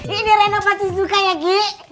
ini renovasi suka ya gi